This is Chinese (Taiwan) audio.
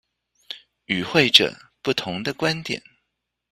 與會者不同的觀點